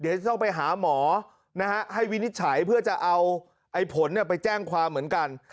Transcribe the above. เดี๋ยวจะต้องไปหาหมอให้วินิจฉัยเพื่อจะเอาผลไปแจ้งความเหมือนกัน